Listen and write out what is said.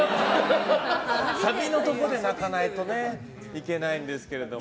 サビのところで泣かないといけないんですけれども。